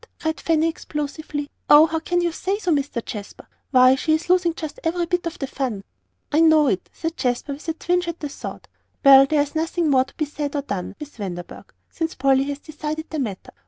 cried Fanny, explosively; "oh, how can you say so, Mr. Jasper! Why, she is losing just every bit of the fun." "I know it," said Jasper, with a twinge at the thought. "Well, there is nothing more to be said or done, Miss Vanderburgh, since Polly has decided the matter.